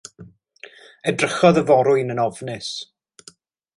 Edrychodd y forwyn yn ofnus.